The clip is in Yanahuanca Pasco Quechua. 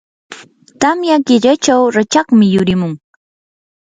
tamya killachaw rachakmi yurimun.